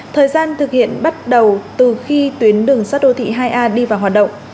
thời gian thực hiện bắt đầu từ khi tuyến đường sắt đô thị hai a đi vào hoạt động